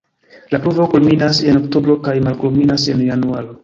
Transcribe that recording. La pluvo kulminas en oktobro kaj malkulminas en januaro.